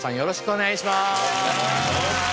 お願いします。